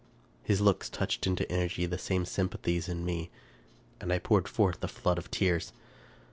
His looks touched into energy the same sympathies in me, and I poured forth a flood of tears.